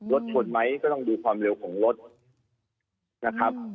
รถชนไหมก็ต้องดูความเร็วของรถนะครับ